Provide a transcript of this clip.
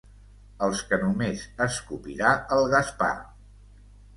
Els que només escopirà el Gaspar.